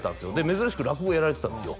珍しく落語をやられてたんですよ